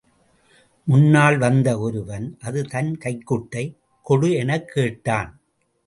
முன்னால் வந்த ஒருவன், அது தன் கைக்குட்டை கொடு எனக் கேட்டான்.